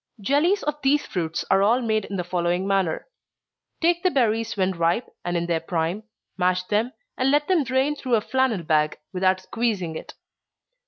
_ Jellies of these fruits are all made in the following manner: Take the berries when ripe, and in their prime, mash them, and let them drain through a flannel bag, without squeezing it.